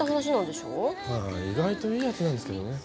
ああ意外といい奴なんですけどね。